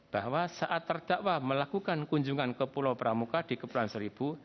bahwa saat terdakwa melakukan kunjungan ke pulau pramuka di kepulauan seribu